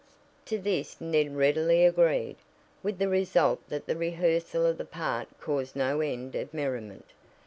To this Ned readily agreed, with the result that the rehearsal of the part caused no end of merriment.